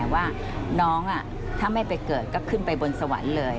ว่าน้องถ้าไม่ไปเกิดก็ขึ้นไปบนสวรรค์เลย